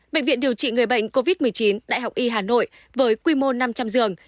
bệnh viện điều trị người bệnh covid một mươi chín đại học y hà nội với quy mô năm trăm linh giường